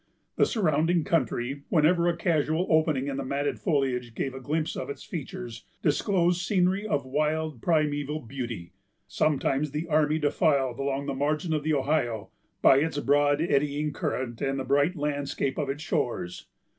The surrounding country, whenever a casual opening in the matted foliage gave a glimpse of its features, disclosed scenery of wild, primeval beauty. Sometimes the army defiled along the margin of the Ohio, by its broad eddying current and the bright landscape of its shores.